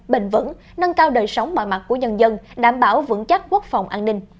bền vững nâng cao đời sống bả mặt của nhân dân đảm bảo vững chắc quốc phòng an ninh